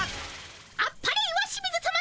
あっぱれ石清水さま。